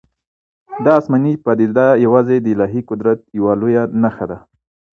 دا آسماني پدیده یوازې د الهي قدرت یوه لویه نښه ده.